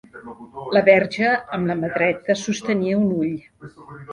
La Verge, amb la mà dreta, sostenia un ull.